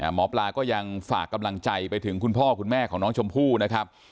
หมอปลาก็ยังฝากกำลังใจไปถึงคุณพ่อคุณแม่ของน้องชมพู่นะครับ